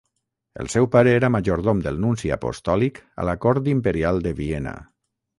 El seu pare era majordom del nunci apostòlic a la Cort Imperial de Viena.